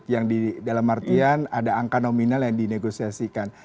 yang di dalam artian ada angka nominal yang dinegosiasikan